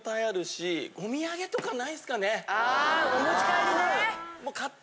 あお持ち帰りね。